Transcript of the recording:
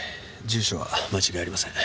住所は間違いありません。